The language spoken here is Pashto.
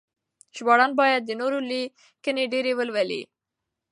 ژباړن باید د نورو لیکنې ډېرې ولولي.